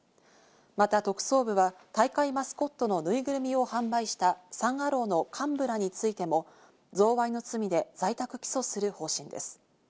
また特捜部は大会マスコットのぬいぐるみを販売したサン・アローの幹部らについても贈賄の罪で在宅起訴する方針です。